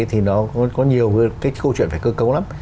thì có nhiều câu chuyện phải cơ cấu lắm